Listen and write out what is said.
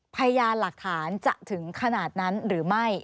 พยานหลักฐานจะถึงขนาดนั้นหรือไม่